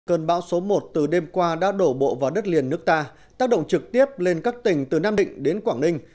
cơn bão số một từ đêm qua đã đổ bộ vào đất liền nước ta tác động trực tiếp lên các tỉnh từ nam định đến quảng ninh